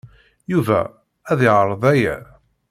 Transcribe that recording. Yuba ad yeɛreḍ aya.